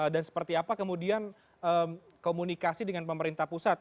dan seperti apa kemudian komunikasi dengan pemerintah pusat